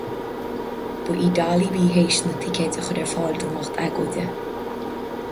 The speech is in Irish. Ba í Dolly a bhí tar éis na ticéid a chur ar fáil don lucht agóide.